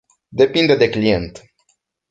Depinde de client.